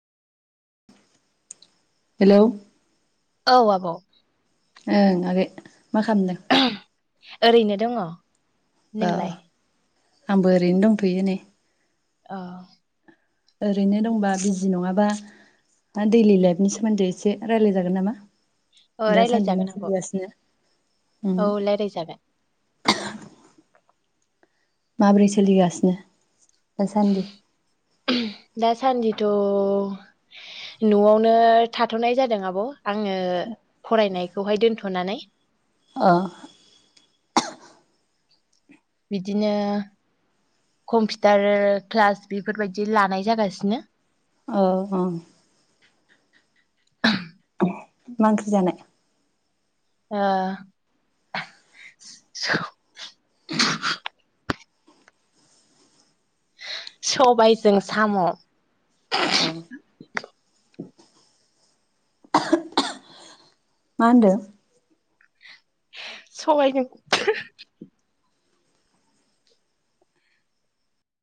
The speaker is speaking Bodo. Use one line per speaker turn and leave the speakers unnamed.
हेलौ
औ आब'
ओं आगै मा खालामदों?
ओरैनो दङ।
अ
नोंलाय
आंबो ओरैनो दंथ'यो नै।
अ
ओरैनो दंबा बिजि नङाबा दैलि लाइफनि सोमोन्दै एसे रायलायजागोन नामा
अ
दासानदि
रायलायजागोन
मा
आब'
सोलिगासिनो उम
औ रायज्लायजागोन।
माबोरै सोलिगासिनो दासान्दि।
दासान्दिथ' न'आवनो थाथ'नाय जादों आब' आङो फरायनायखौहाय दोनथ'नानै
ओ
बिदिनो कम्पिटार क्लास बेफोरबायदि लानाय जागासिनो
ओ अ' मा ओंख्रि जानाय
ओ [unintelligible] सबायजों साम'
अ' मा होनदों?
सबायजों थो